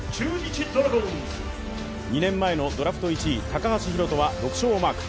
２年前のドラフト１位、高橋宏斗は６勝をマーク。